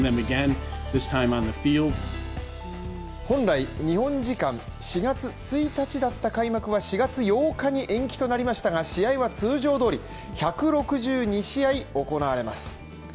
本来、日本時間４月１日だった開幕は４月８日に延期となりましたが試合は通常どおり、１６２試合行われます。